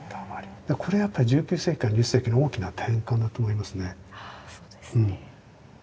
これはやっぱり１９世紀から２０世紀の大きな転換だと思いますね。